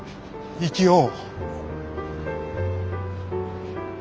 生きよう。